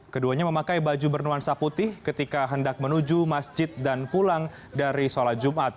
keduanya memakai baju bernuansa putih ketika hendak menuju masjid dan pulang dari sholat jumat